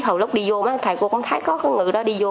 hầu lúc đi vô mấy thầy cô cũng thấy có người đó đi vô